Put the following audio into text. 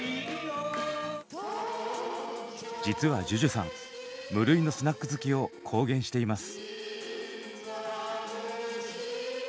実はＪＵＪＵさん無類のスナック好きを公言しています。